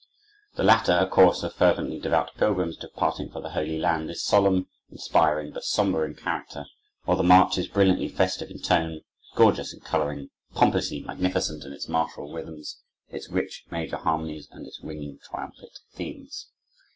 The latter, a chorus of fervently devout pilgrims departing for the Holy Land, is solemn, inspiring, but somber in character, while the march is brilliantly festive in tone, gorgeous in coloring, pompously magnificent in its martial rhythms, its rich major harmonies and its ringing trumpet themes.